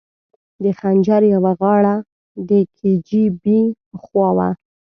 د خنجر یوه غاړه د کي جي بي خوا وه.